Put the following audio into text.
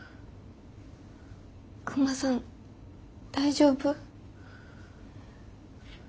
クマさん大丈夫？